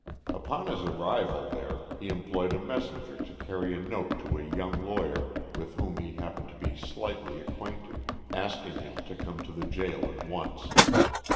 Upon his arrival there he employed a messenger to carry a note to a young lawyer with whom he happened to be slightly acquainted, asking him to come to the jail at once.